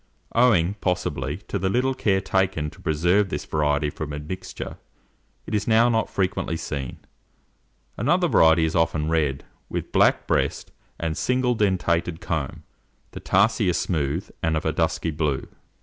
Owing, possibly, to the little care taken to preserve this variety from admixture, it is now not frequently seen. Another variety is often red, with a black breast and single dentated comb. The tarsi are smooth, and of a dusky blue.